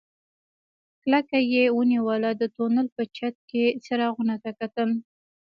کلکه يې ونيوله د تونل په چت کې څراغونو ته کتل.